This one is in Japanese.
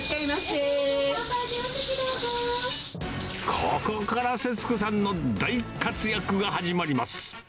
ここから節子さんの大活躍が始まります。